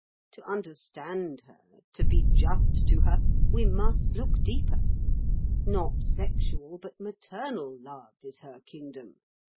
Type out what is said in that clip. To understand her, to be just to her, we must look deeper. Not sexual, but maternal love is her kingdom.